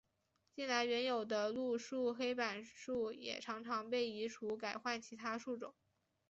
近来原有的路树黑板树也常常被移除改换其他树种。